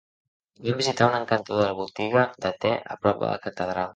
Vam visitar una encantadora botiga de te a prop de la catedral.